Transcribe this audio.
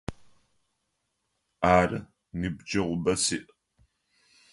Ары, ныбджэгъубэ сиӏ.